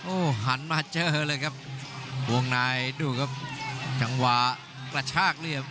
โอ้หันมาเจอเลยครับช่วงนายดูครับจังหวะละชาติเลยครับ